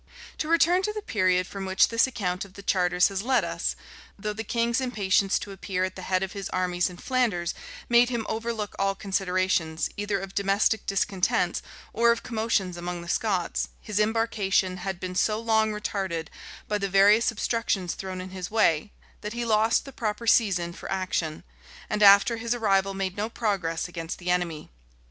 To return to the period from which this account of the charters has led us: though the king's impatience to appear at the head of his armies in Flanders made him overlook all considerations, either of domestic discontents or of commotions among the Scots, his embarkation had been so long retarded by the various obstructions thrown in his way, that he lost the proper season for action, and after his arrival made no progress against the enemy.